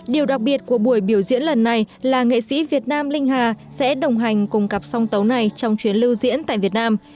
điều đặc biệt của buổi biểu diễn lần này là nghệ sĩ việt nam linh hà sẽ đồng hành cùng cặp song tấu này trong chuyến lưu diễn tại việt nam